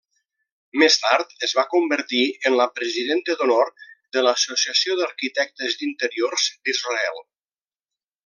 Més tard es va convertir en la presidenta d'Honor de l'Associació d'Arquitectes d'Interiors d'Israel.